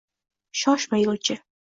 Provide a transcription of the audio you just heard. «Shoshma, yo’lchi